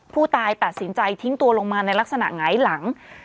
ผู้ตายตัดสินใจทิ้งตัวลงมาในลักษณะหงายหลัง